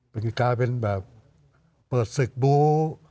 ประกาศเป็นแบบเปิดศึกบูล